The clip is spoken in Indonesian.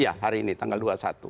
iya hari ini tanggal dua puluh satu